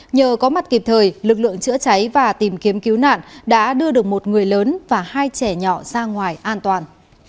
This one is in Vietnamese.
nhờ có mặt kịp thời lực lượng chữa cháy và tìm kiếm cứu nạn đã đưa được một người lớn và hai trẻ nhỏ ra ngoài an toàn